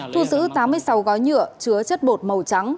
thu giữ tám mươi sáu gói nhựa chứa chất bột màu trắng